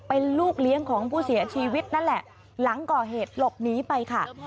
เป็นลูกเลี้ยงของผู้เสียชีวิตนั่นแหละหลังก่อเหตุหลบหนีไปค่ะ